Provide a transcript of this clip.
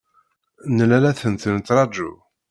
Nella la tent-nettṛaǧu.